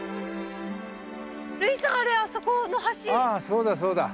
あそうだそうだ。